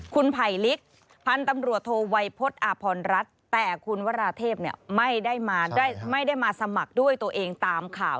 คุณไผลลิกพันธุ์ตำรวจโทวัยพฤษอาพรรัฐแต่คุณวราเทพไม่ได้มาสมัครด้วยตัวเองตามข่าว